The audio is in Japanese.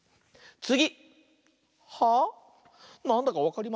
つぎ！